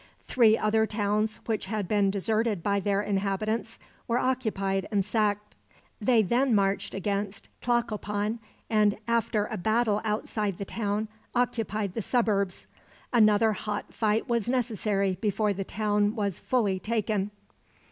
Three other towns, which had been deserted by their inhabitants, were occupied and sacked. They then marched against Tlacopan and, after a battle outside the town, occupied the suburbs. Another hot fight was necessary before the town was fully taken.